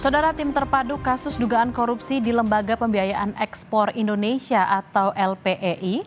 saudara tim terpadu kasus dugaan korupsi di lembaga pembiayaan ekspor indonesia atau lpei